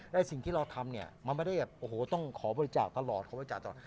และสิ่งที่เราทำเนี่ยมันไม่ได้แบบโอ้โหต้องขอบริจาคตลอดขอบริจาคตลอด